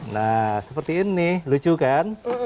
nah seperti ini lucu kan